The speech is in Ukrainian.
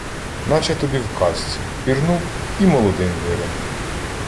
Наче тобі все в казці: пірнув – і молодим виринув